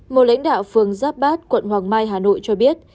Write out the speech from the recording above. một lãnh đạo phường giáp bát quận hoàng mai hà nội cho biết